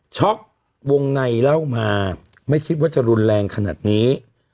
วงในเล่ามาไม่คิดว่าจะรุนแรงขนาดนี้